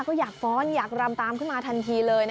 ก็อยากฟ้อนอยากรำตามขึ้นมาทันทีเลย